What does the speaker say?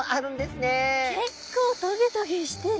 結構トゲトゲしてる！